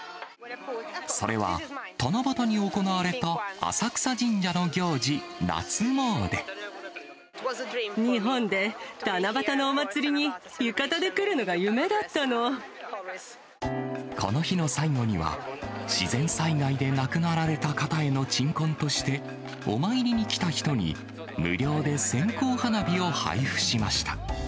それは、七夕に行われた浅草神社の行事、日本で七夕のお祭りに浴衣でこの日の最後には、自然災害で亡くなられた方への鎮魂として、お参りに来た人に、無料で線香花火を配付しました。